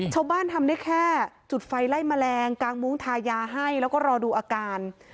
ทำได้แค่จุดไฟไล่แมลงกางมุ้งทายาให้แล้วก็รอดูอาการ